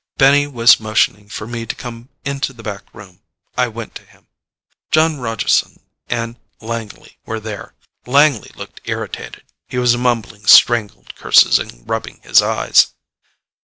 Benny was motioning for me to come into the back room. I went to him. Jon Rogeson and Langley were there. Langley looked irritated. He was mumbling strangled curses and rubbing his eyes.